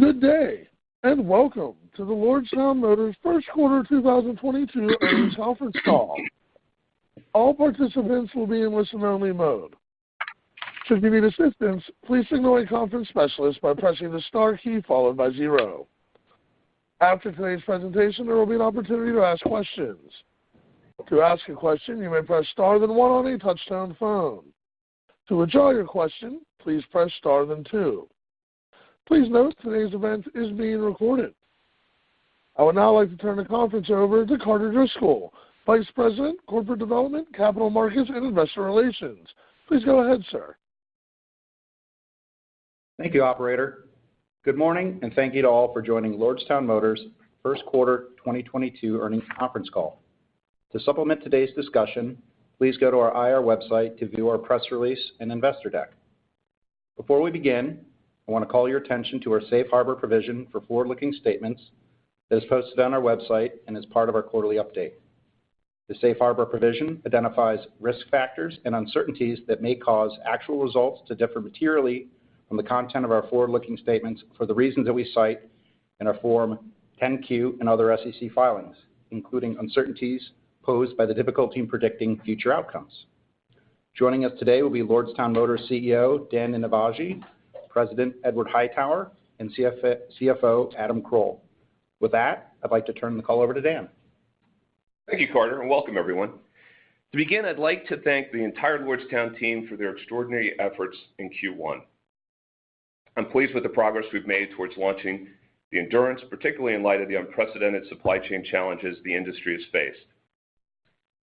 Good day, and welcome to the Lordstown Motors Q1 2022 earnings conference call. All participants will be in listen only mode. Should you need assistance, please signal a conference specialist by pressing the star key followed by zero. After today's presentation, there will be an opportunity to ask questions. To ask a question, you may press star then one on a touch-tone phone. To withdraw your question, please press star then two. Please note today's event is being recorded. I would now like to turn the conference over to Carter Driscoll, Vice President, Corporate Development, Capital Markets, and Investor Relations. Please go ahead, sir. Thank you, operator. Good morning, and thank you to all for joining Lordstown Motors Q1 2022 earnings conference call. To supplement today's discussion, please go to our IR website to view our press release and investor deck. Before we begin, I wanna call your attention to our safe harbor provision for forward-looking statements as posted on our website and as part of our quarterly update. The safe harbor provision identifies risk factors and uncertainties that may cause actual results to differ materially from the content of our forward-looking statements for the reasons that we cite in our Form 10-Q and other SEC filings, including uncertainties posed by the difficulty in predicting future outcomes. Joining us today will be Lordstown Motors CEO, Dan Ninivaggi, President Edward Hightower, and CFO Adam Kroll. With that, I'd like to turn the call over to Dan. Thank you, Carter, and welcome everyone. To begin, I'd like to thank the entire Lordstown team for their extraordinary efforts in Q1. I'm pleased with the progress we've made towards launching the Endurance, particularly in light of the unprecedented supply chain challenges the industry has faced.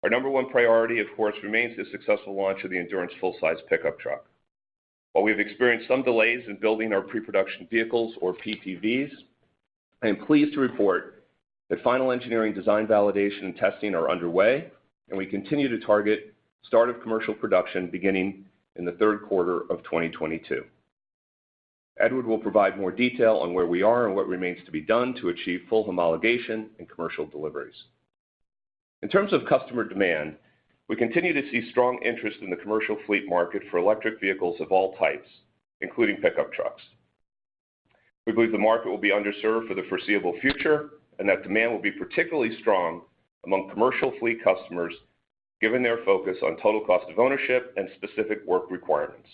Our number one priority, of course, remains the successful launch of the Endurance full-size pickup truck. While we've experienced some delays in building our pre-production vehicles or PTVs, I am pleased to report that final engineering design validation and testing are underway, and we continue to target start of commercial production beginning in the Q3 of 2022. Edward will provide more detail on where we are and what remains to be done to achieve full homologation and commercial deliveries. In terms of customer demand, we continue to see strong interest in the commercial fleet market for electric vehicles of all types, including pickup trucks. We believe the market will be underserved for the foreseeable future, and that demand will be particularly strong among commercial fleet customers, given their focus on total cost of ownership and specific work requirements.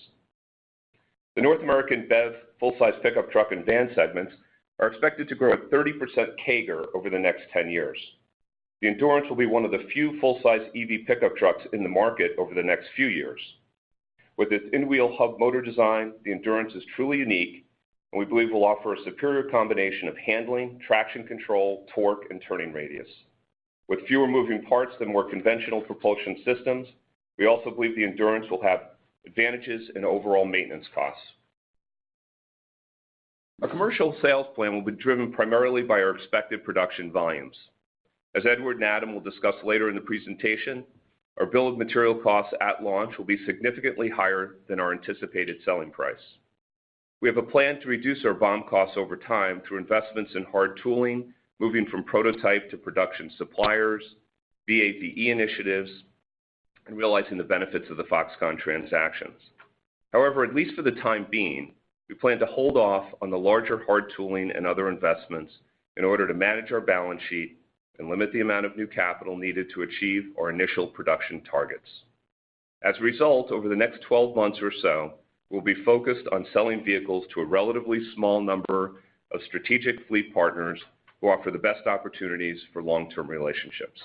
The North American BEV full-size pickup truck and van segments are expected to grow at 30% CAGR over the next 10 years. The Endurance will be one of the few full-size EV pickup trucks in the market over the next few years. With its in-wheel hub motor design, the Endurance is truly unique, and we believe will offer a superior combination of handling, traction control, torque, and turning radius. With fewer moving parts than more conventional propulsion systems, we also believe the Endurance will have advantages in overall maintenance costs. Our commercial sales plan will be driven primarily by our expected production volumes. As Edward and Adam will discuss later in the presentation, our bill of material costs at launch will be significantly higher than our anticipated selling price. We have a plan to reduce our BOM costs over time through investments in hard tooling, moving from prototype to production suppliers, VAVE initiatives, and realizing the benefits of the Foxconn transactions. However, at least for the time being, we plan to hold off on the larger hard tooling and other investments in order to manage our balance sheet and limit the amount of new capital needed to achieve our initial production targets. As a result, over the next 12 months or so, we'll be focused on selling vehicles to a relatively small number of strategic fleet partners who offer the best opportunities for long-term relationships.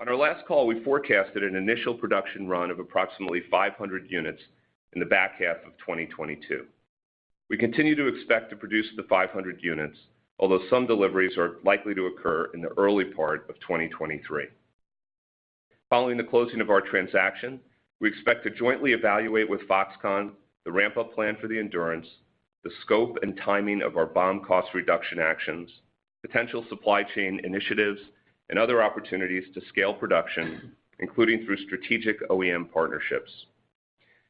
On our last call, we forecasted an initial production run of approximately 500 units in the back half of 2022. We continue to expect to produce the 500 units, although some deliveries are likely to occur in the early part of 2023. Following the closing of our transaction, we expect to jointly evaluate with Foxconn the ramp-up plan for the Endurance, the scope and timing of our BOM cost reduction actions, potential supply chain initiatives, and other opportunities to scale production, including through strategic OEM partnerships.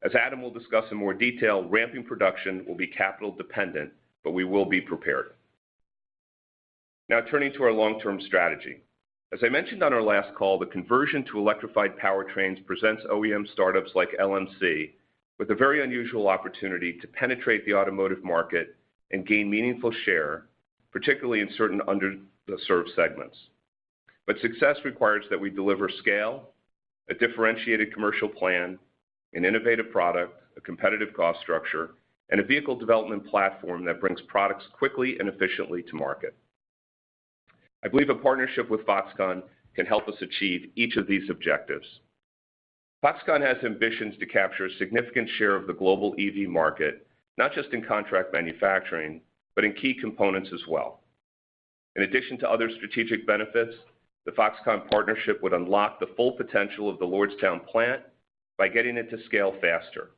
As Adam will discuss in more detail, ramping production will be capital dependent, but we will be prepared. Now turning to our long-term strategy. As I mentioned on our last call, the conversion to electrified powertrains presents OEM startups like LMC with a very unusual opportunity to penetrate the automotive market and gain meaningful share, particularly in certain underserved segments. Success requires that we deliver scale, a differentiated commercial plan, an innovative product, a competitive cost structure, and a vehicle development platform that brings products quickly and efficiently to market. I believe a partnership with Foxconn can help us achieve each of these objectives. Foxconn has ambitions to capture a significant share of the global EV market, not just in contract manufacturing, but in key components as well. In addition to other strategic benefits, the Foxconn partnership would unlock the full potential of the Lordstown plant by getting it to scale faster.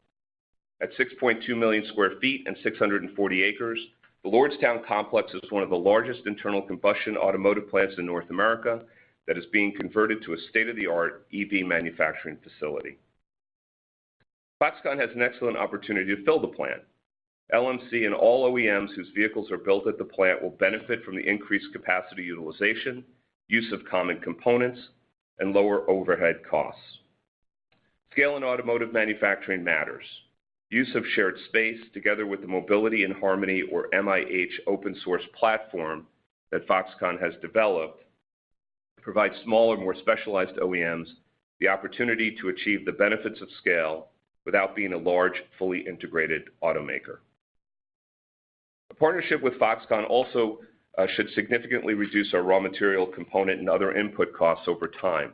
At 6.2 million sq ft and 640 acres, the Lordstown complex is one of the largest internal combustion automotive plants in North America that is being converted to a state-of-the-art EV manufacturing facility. Foxconn has an excellent opportunity to fill the plant. LMC and all OEMs whose vehicles are built at the plant will benefit from the increased capacity utilization, use of common components, and lower overhead costs. Scale in automotive manufacturing matters. Use of shared space together with the Mobility in Harmony or MIH open-source platform that Foxconn has developed provide smaller, more specialized OEMs the opportunity to achieve the benefits of scale without being a large, fully integrated automaker. The partnership with Foxconn also should significantly reduce our raw material component and other input costs over time.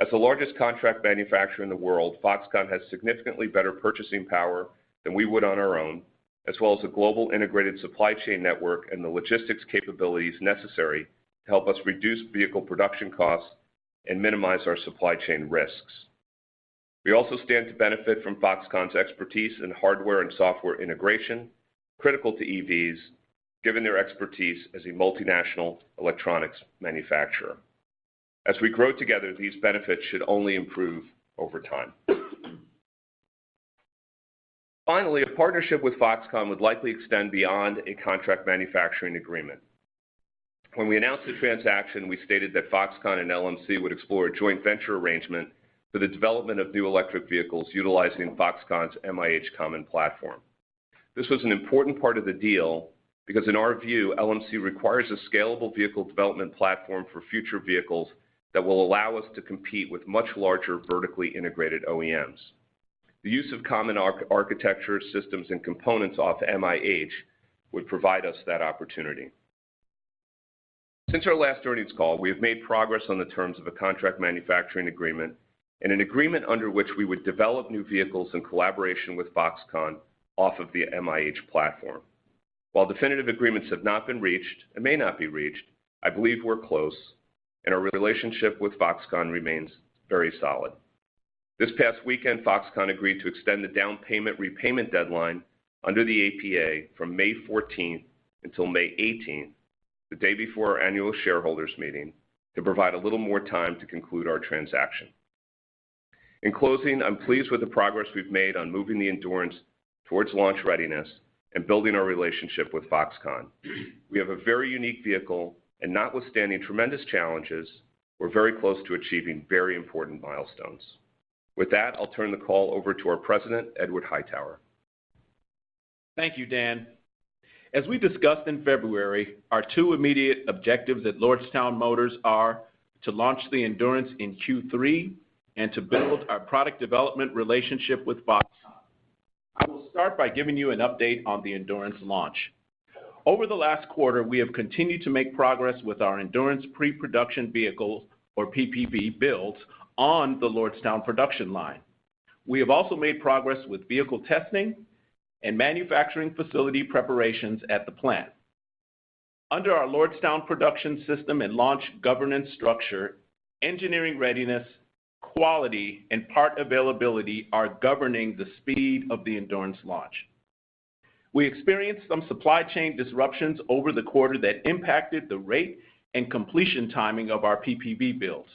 As the largest contract manufacturer in the world, Foxconn has significantly better purchasing power than we would on our own, as well as a global integrated supply chain network and the logistics capabilities necessary to help us reduce vehicle production costs and minimize our supply chain risks. We also stand to benefit from Foxconn's expertise in hardware and software integration, critical to EVs, given their expertise as a multinational electronics manufacturer. As we grow together, these benefits should only improve over time. Finally, a partnership with Foxconn would likely extend beyond a contract manufacturing agreement. When we announced the transaction, we stated that Foxconn and LMC would explore a joint venture arrangement for the development of new electric vehicles utilizing Foxconn's MIH common platform. This was an important part of the deal because in our view, LMC requires a scalable vehicle development platform for future vehicles that will allow us to compete with much larger, vertically integrated OEMs. The use of common car architecture systems and components of MIH would provide us that opportunity. Since our last earnings call, we have made progress on the terms of a contract manufacturing agreement and an agreement under which we would develop new vehicles in collaboration with Foxconn off of the MIH platform. While definitive agreements have not been reached and may not be reached, I believe we're close, and our relationship with Foxconn remains very solid. This past weekend, Foxconn agreed to extend the down payment repayment deadline under the APA from May 14th until May 18th, the day before our annual shareholders meeting, to provide a little more time to conclude our transaction. In closing, I'm pleased with the progress we've made on moving the Endurance towards launch readiness and building our relationship with Foxconn. We have a very unique vehicle, and notwithstanding tremendous challenges, we're very close to achieving very important milestones. With that, I'll turn the call over to our President, Edward Hightower. Thank you, Dan. As we discussed in February, our two immediate objectives at Lordstown Motors are to launch the Endurance in Q3 and to build our product development relationship with Foxconn. I will start by giving you an update on the Endurance launch. Over the last quarter, we have continued to make progress with our Endurance pre-production vehicle or PPV builds on the Lordstown production line. We have also made progress with vehicle testing and manufacturing facility preparations at the plant. Under our Lordstown production system and launch governance structure, engineering readiness, quality, and part availability are governing the speed of the Endurance launch. We experienced some supply chain disruptions over the quarter that impacted the rate and completion timing of our PPV builds.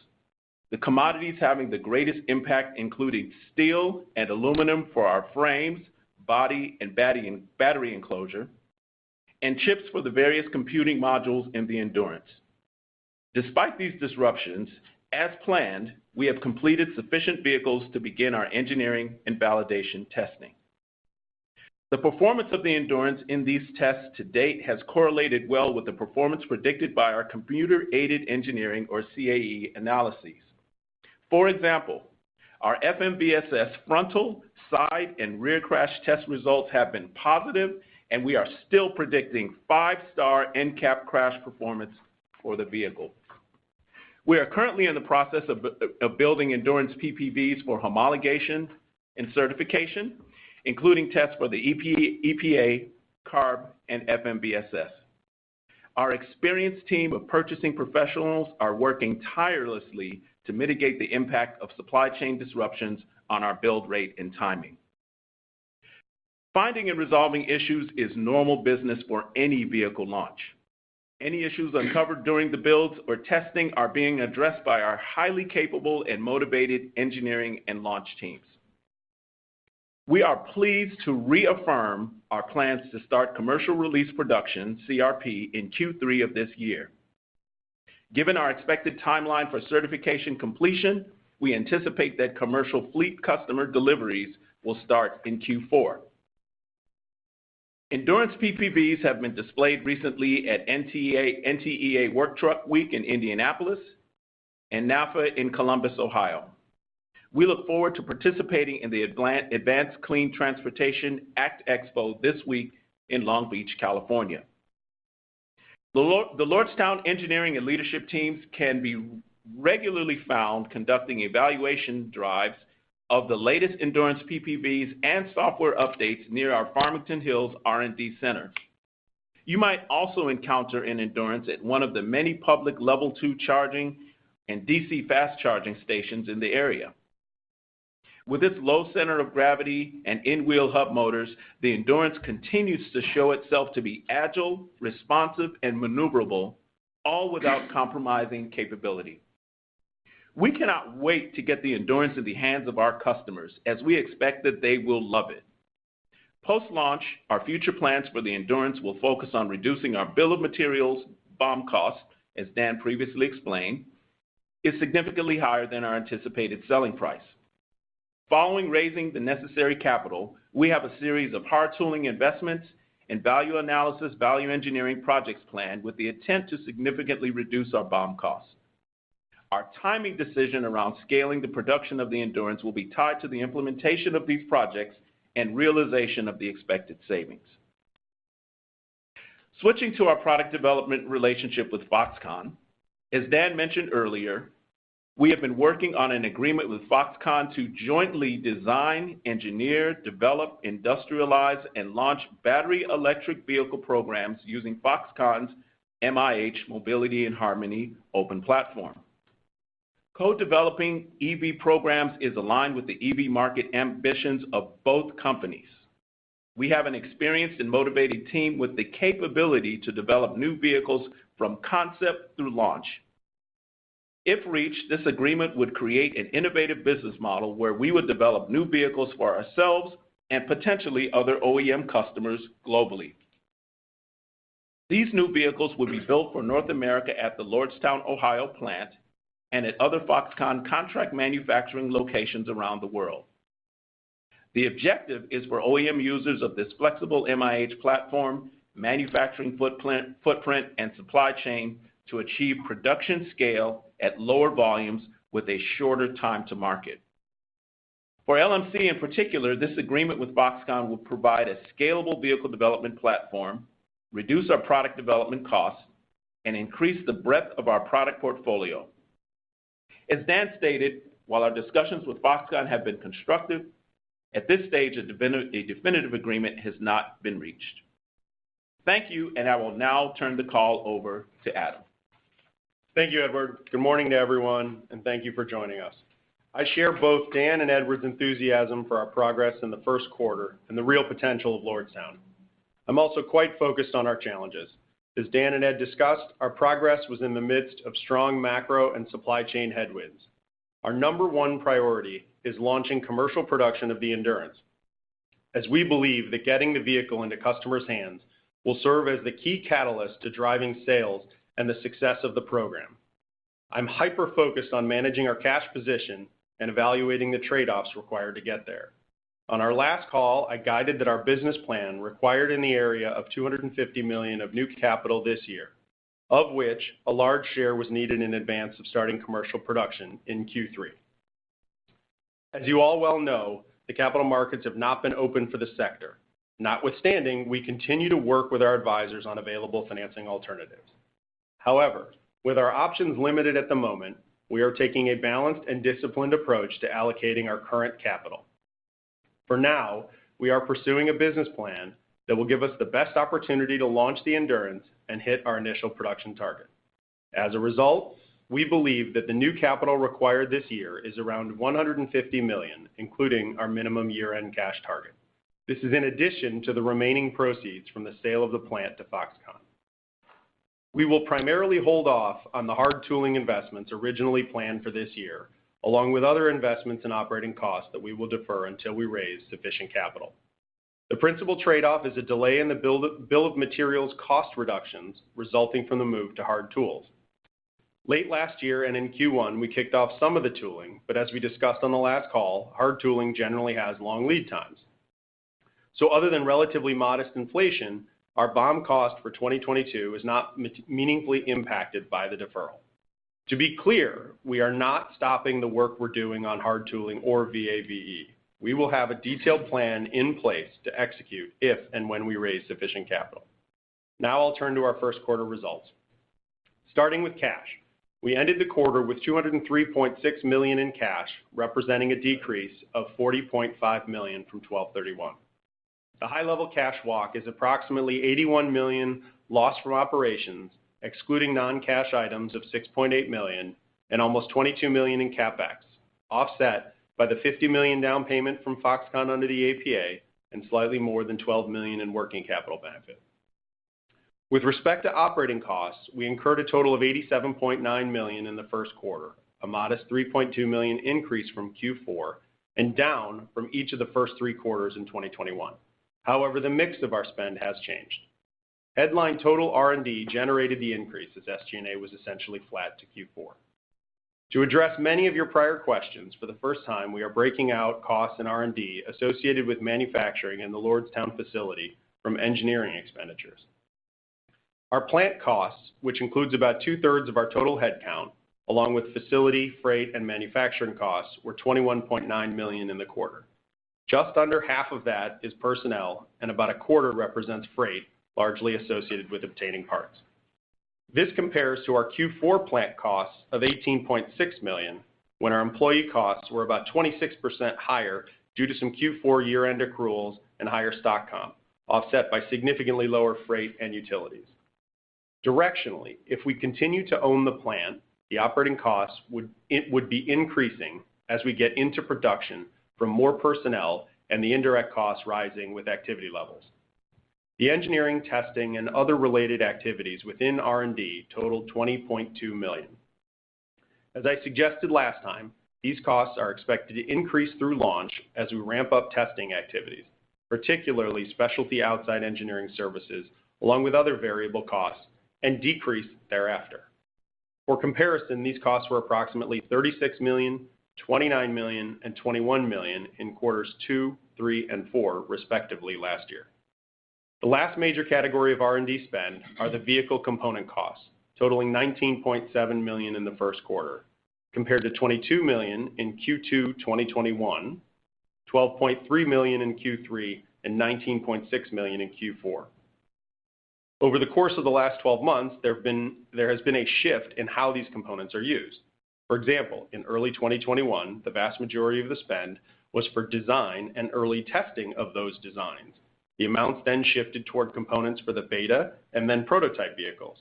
The commodities having the greatest impact including steel and aluminum for our frames, body and battery enclosure, and chips for the various computing modules in the Endurance. Despite these disruptions, as planned, we have completed sufficient vehicles to begin our engineering and validation testing. The performance of the Endurance in these tests to date has correlated well with the performance predicted by our computer-aided engineering or CAE analyses. For example, our FMVSS frontal, side, and rear crash test results have been positive, and we are still predicting five-star NCAP crash performance for the vehicle. We are currently in the process of building Endurance PPVs for homologation and certification, including tests for the EPA, CARB, and FMVSS. Our experienced team of purchasing professionals are working tirelessly to mitigate the impact of supply chain disruptions on our build rate and timing. Finding and resolving issues is normal business for any vehicle launch. Any issues uncovered during the builds or testing are being addressed by our highly capable and motivated engineering and launch teams. We are pleased to reaffirm our plans to start commercial release production, CRP, in Q3 of this year. Given our expected timeline for certification completion, we anticipate that commercial fleet customer deliveries will start in Q4. Endurance PPVs have been displayed recently at NTEA Work Truck Week in Indianapolis and NAFA in Columbus, Ohio. We look forward to participating in the Advanced Clean Transportation Expo this week in Long Beach, California. The Lordstown engineering and leadership teams can be regularly found conducting evaluation drives of the latest Endurance PPVs and software updates near our Farmington Hills R&D center. You might also encounter an Endurance at one of the many public level two charging and DC fast charging stations in the area. With its low center of gravity and in-wheel hub motors, the Endurance continues to show itself to be agile, responsive, and maneuverable, all without compromising capability. We cannot wait to get the Endurance in the hands of our customers as we expect that they will love it. Post-launch, our future plans for the Endurance will focus on reducing our bill of materials, BOM cost, as Dan previously explained, is significantly higher than our anticipated selling price. Following raising the necessary capital, we have a series of hard tooling investments and value analysis, value engineering projects planned with the intent to significantly reduce our BOM cost. Our timing decision around scaling the production of the Endurance will be tied to the implementation of these projects and realization of the expected savings. Switching to our product development relationship with Foxconn. As Dan mentioned earlier, we have been working on an agreement with Foxconn to jointly design, engineer, develop, industrialize, and launch battery electric vehicle programs using Foxconn's MIH, Mobility in Harmony open platform. Co-developing EV programs is aligned with the EV market ambitions of both companies. We have an experienced and motivated team with the capability to develop new vehicles from concept through launch. If reached, this agreement would create an innovative business model where we would develop new vehicles for ourselves and potentially other OEM customers globally. These new vehicles would be built for North America at the Lordstown, Ohio plant and at other Foxconn contract manufacturing locations around the world. The objective is for OEM users of this flexible MIH platform, manufacturing footprint, and supply chain to achieve production scale at lower volumes with a shorter time to market. For LMC, in particular, this agreement with Foxconn will provide a scalable vehicle development platform, reduce our product development costs, and increase the breadth of our product portfolio. As Dan stated, while our discussions with Foxconn have been constructive, at this stage, the definitive agreement has not been reached. Thank you, and I will now turn the call over to Adam. Thank you, Edward. Good morning to everyone, and thank you for joining us. I share both Dan and Edward's enthusiasm for our progress in the Q1 and the real potential of Lordstown. I'm also quite focused on our challenges. As Dan and Ed discussed, our progress was in the midst of strong macro and supply chain headwinds. Our number one priority is launching commercial production of the Endurance, as we believe that getting the vehicle into customers' hands will serve as the key catalyst to driving sales and the success of the program. I'm hyper-focused on managing our cash position and evaluating the trade-offs required to get there. On our last call, I guided that our business plan required in the area of $250 million of new capital this year, of which a large share was needed in advance of starting commercial production in Q3. As you all well know, the capital markets have not been open for the sector. Notwithstanding, we continue to work with our advisors on available financing alternatives. However, with our options limited at the moment, we are taking a balanced and disciplined approach to allocating our current capital. For now, we are pursuing a business plan that will give us the best opportunity to launch the Endurance and hit our initial production target. As a result, we believe that the new capital required this year is around $150 million, including our minimum year-end cash target. This is in addition to the remaining proceeds from the sale of the plant to Foxconn. We will primarily hold off on the hard tooling investments originally planned for this year, along with other investments in operating costs that we will defer until we raise sufficient capital. The principal trade-off is a delay in the bill of materials cost reductions resulting from the move to hard tools. Late last year and in Q1, we kicked off some of the tooling, but as we discussed on the last call, hard tooling generally has long lead times. Other than relatively modest inflation, our BOM cost for 2022 is not meaningfully impacted by the deferral. To be clear, we are not stopping the work we're doing on hard tooling or VAVE. We will have a detailed plan in place to execute if and when we raise sufficient capital. Now I'll turn to our Q1 results. Starting with cash, we ended the quarter with $203.6 million in cash, representing a decrease of $40.5 million from 12/31. The high level cash walk is approximately $81 million lost from operations, excluding non-cash items of $6.8 million and almost $22 million in CapEx, offset by the $50 million down payment from Foxconn under the APA and slightly more than $12 million in working capital benefit. With respect to operating costs, we incurred a total of $87.9 million in the Q1, a modest $3.2 million increase from Q4 and down from each of the first three quarters in 2021. However, the mix of our spend has changed. Headline total R&D generated the increase as SG&A was essentially flat to Q4. To address many of your prior questions, for the first time, we are breaking out costs in R&D associated with manufacturing in the Lordstown facility from engineering expenditures. Our plant costs, which includes about two-thirds of our total headcount, along with facility, freight, and manufacturing costs, were $21.9 million in the quarter. Just under half of that is personnel, and about a quarter represents freight, largely associated with obtaining parts. This compares to our Q4 plant costs of $18.6 million when our employee costs were about 26% higher due to some Q4 year-end accruals and higher stock comp, offset by significantly lower freight and utilities. Directionally, if we continue to own the plant, the operating costs would be increasing as we get into production from more personnel and the indirect costs rising with activity levels. The engineering, testing, and other related activities within R&D totaled $20.2 million. As I suggested last time, these costs are expected to increase through launch as we ramp up testing activities, particularly specialty outside engineering services, along with other variable costs and decrease thereafter. For comparison, these costs were approximately $36 million, $29 million and $21 million in quarters two, three and four, respectively, last year. The last major category of R&D spend are the vehicle component costs, totaling $19.7 million in the Q1 compared to $22 million in Q2 2021, $12.3 million in Q3, and $19.6 million in Q4. Over the course of the last 12 months, there has been a shift in how these components are used. For example, in early 2021, the vast majority of the spend was for design and early testing of those designs. The amounts then shifted toward components for the beta and then prototype vehicles.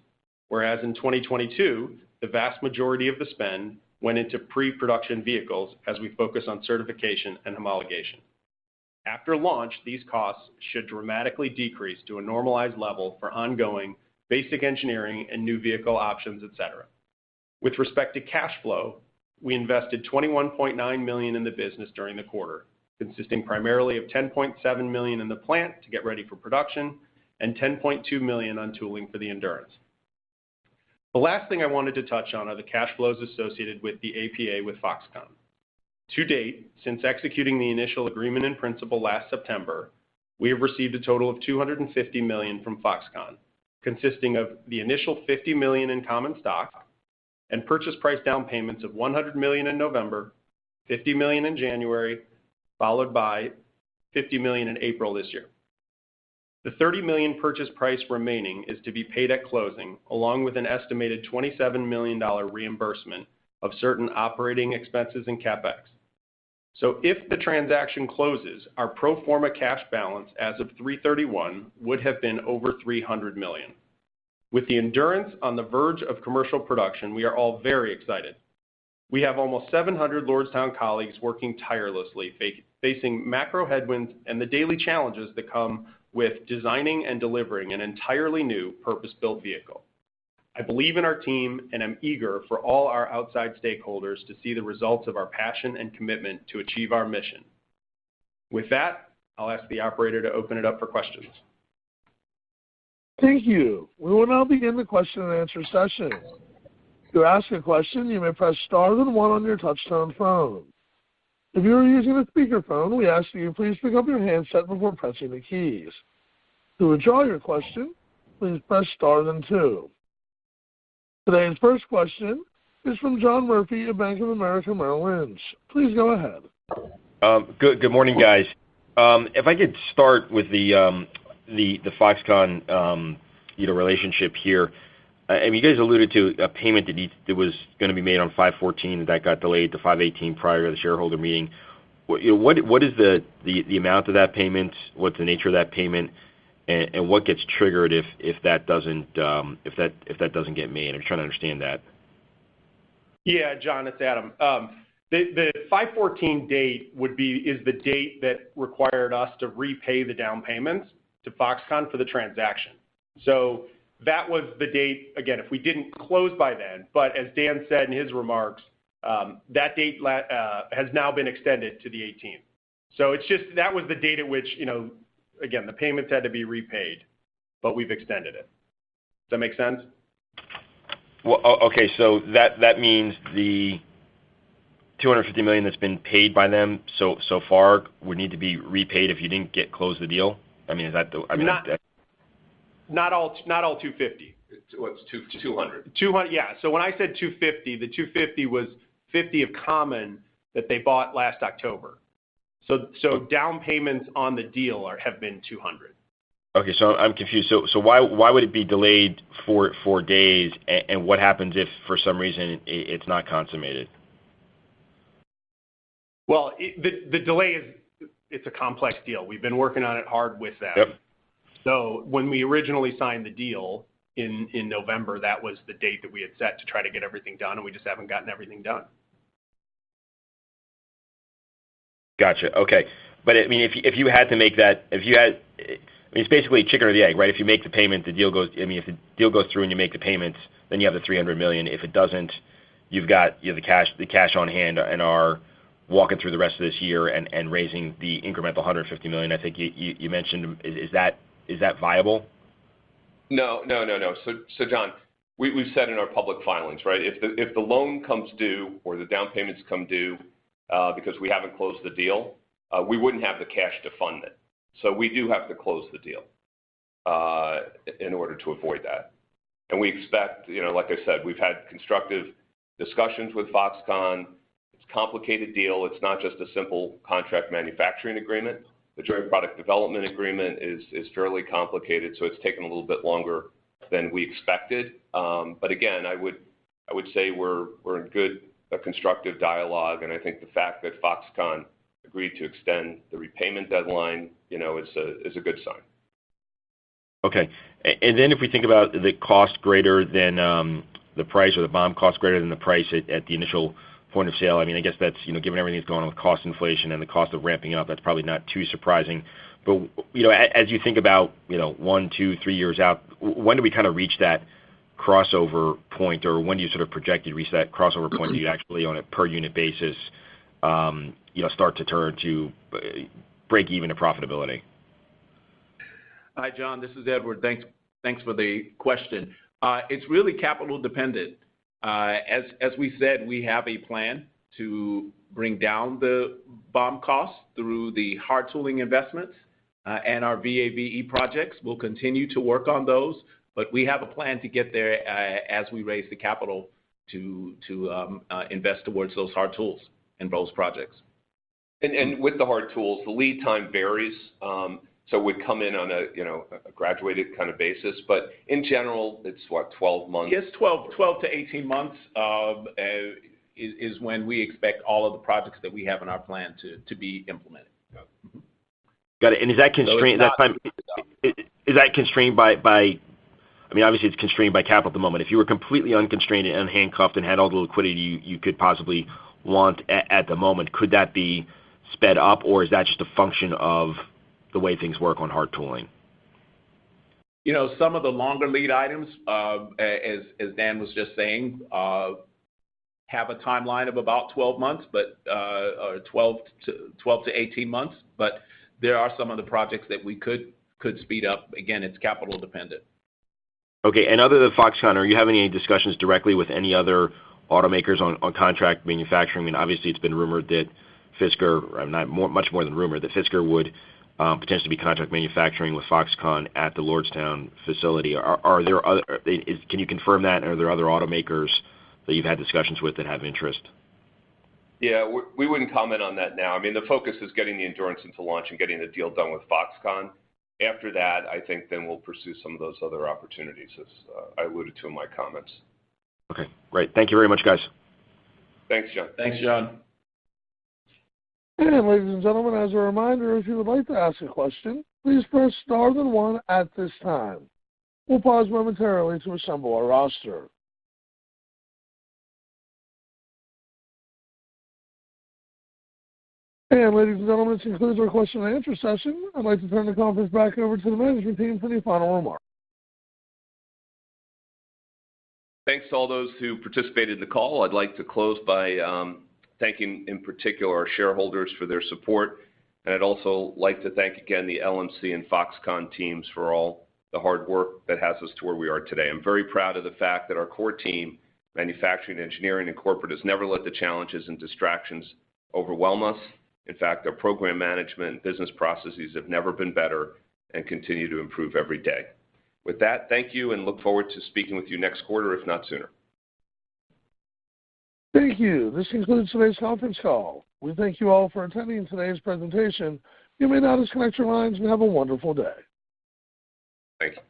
Whereas in 2022, the vast majority of the spend went into pre-production vehicles as we focus on certification and homologation. After launch, these costs should dramatically decrease to a normalized level for ongoing basic engineering and new vehicle options, et cetera. With respect to cash flow, we invested $21.9 million in the business during the quarter, consisting primarily of $10.7 million in the plant to get ready for production and $10.2 million on tooling for the Endurance. The last thing I wanted to touch on are the cash flows associated with the APA with Foxconn. To date, since executing the initial agreement in principle last September, we have received a total of $250 million from Foxconn, consisting of the initial $50 million in common stock and purchase price down payments of $100 million in November, $50 million in January, followed by $50 million in April this year. The $30 million purchase price remaining is to be paid at closing, along with an estimated $27 million reimbursement of certain operating expenses in CapEx. If the transaction closes, our pro forma cash balance as of 3/31 would have been over $300 million. With the Endurance on the verge of commercial production, we are all very excited. We have almost 700 Lordstown colleagues working tirelessly, facing macro headwinds and the daily challenges that come with designing and delivering an entirely new purpose-built vehicle. I believe in our team, and I'm eager for all our outside stakeholders to see the results of our passion and commitment to achieve our mission. With that, I'll ask the operator to open it up for questions. Thank you. We will now begin the question-and-answer session. To ask a question, you may press star then one on your touchtone phone. If you are using a speakerphone, we ask that you please pick up your handset before pressing the keys. To withdraw your question, please press star then two. Today's first question is from John Murphy of Bank of America Merrill Lynch. Please go ahead. Good morning, guys. If I could start with the Foxconn you know relationship here. I mean, you guys alluded to a payment that was gonna be made on 5/14 that got delayed to 5/18 prior to the shareholder meeting. What you know is the amount of that payment? What's the nature of that payment? And what gets triggered if that doesn't get made? I'm trying to understand that. Yeah, John, it's Adam. The 5/14 date is the date that required us to repay the down payments to Foxconn for the transaction. That was the date. Again, if we didn't close by then, but as Dan said in his remarks, that date has now been extended to the 18th. It's just that was the date at which, you know, again, the payments had to be repaid, but we've extended it. Does that make sense? Well, okay, so that means the $250 million that's been paid by them so far would need to be repaid if you didn't close the deal. I mean, is that the Not- I mean, is that? Not all 250. Well, it's 200. Yeah. When I said $250, the $250 was $50 of common that they bought last October. Down payments on the deal have been $200. Okay. I'm confused. Why would it be delayed for four days? What happens if for some reason it's not consummated? Well, the delay is it's a complex deal. We've been working on it hard with them. Yep. When we originally signed the deal in November, that was the date that we had set to try to get everything done, and we just haven't gotten everything done. Gotcha. Okay. I mean, if you had to make that. I mean, it's basically a chicken or the egg, right? If you make the payment, if the deal goes through and you make the payments, then you have the $300 million. If it doesn't, you've got, you know, the cash on hand and are walking through the rest of this year and raising the incremental $150 million, I think you mentioned. Is that viable? No. John, we've said in our public filings, right? If the loan comes due or the down payments come due, we wouldn't have the cash to fund it. We do have to close the deal in order to avoid that. We expect, you know, like I said, we've had constructive discussions with Foxconn. It's a complicated deal. It's not just a simple contract manufacturing agreement. The joint product development agreement is fairly complicated, so it's taken a little bit longer than we expected. But again, I would say we're in a constructive dialogue, and I think the fact that Foxconn agreed to extend the repayment deadline, you know, is a good sign. Okay. Then if we think about the cost greater than the price or the BOM cost greater than the price at the initial point of sale, I mean, I guess that's, you know, given everything that's going on with cost inflation and the cost of ramping up, that's probably not too surprising. You know, as you think about, you know, one, two, three years out, when do we kinda reach that crossover point or when you sort of project you reach that crossover point, do you actually on a per unit basis, you know, start to turn to break even or profitability? Hi, John, this is Edward. Thanks for the question. It's really capital dependent. As we said, we have a plan to bring down the BOM costs through the hard tooling investments and our VAVE projects. We'll continue to work on those, but we have a plan to get there as we raise the capital to invest towards those hard tools and those projects. with the hard tools, the lead time varies. We come in on a, you know, a graduated kind of basis. In general it's what? 12 months. Yes, 12-18 months is when we expect all of the projects that we have in our plan to be implemented. Yeah. Mm-hmm. Got it. Is that constrained- So it's not- Is that constrained by capital at the moment? I mean, obviously it's constrained by capital at the moment. If you were completely unconstrained and unhandcuffed and had all the liquidity you could possibly want at the moment, could that be sped up, or is that just a function of the way things work on hard tooling? You know, some of the longer lead items, as Dan was just saying, have a timeline of about 12 months, but or 12-18 months, but there are some of the projects that we could speed up. Again, it's capital dependent. Okay. Other than Foxconn, are you having any discussions directly with any other automakers on contract manufacturing? I mean, obviously it's been rumored that Fisker, or not more, much more than rumored, that Fisker would potentially be contract manufacturing with Foxconn at the Lordstown facility. Can you confirm that? Are there other automakers that you've had discussions with that have interest? Yeah. We wouldn't comment on that now. I mean, the focus is getting the Endurance into launch and getting the deal done with Foxconn. After that, I think then we'll pursue some of those other opportunities, as I alluded to in my comments. Okay, great. Thank you very much, guys. Thanks, John. Thanks, John. Ladies and gentlemen, as a reminder, if you would like to ask a question, please press star then one at this time. We'll pause momentarily to assemble our roster. Ladies and gentlemen, this concludes our question and answer session. I'd like to turn the conference back over to the management team for any final remarks. Thanks to all those who participated in the call. I'd like to close by thanking in particular our shareholders for their support. I'd also like to thank again the LMC and Foxconn teams for all the hard work that has us to where we are today. I'm very proud of the fact that our core team, manufacturing, engineering, and corporate, has never let the challenges and distractions overwhelm us. In fact, our program management and business processes have never been better and continue to improve every day. With that, thank you, and look forward to speaking with you next quarter, if not sooner. Thank you. This concludes today's conference call. We thank you all for attending today's presentation. You may now disconnect your lines. Have a wonderful day. Thanks.